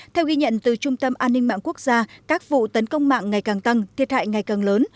theo ghi nhận từ trung tâm an ninh mạng quốc gia các vụ tấn công mạng ngày càng tăng thiệt hại ngày càng lớn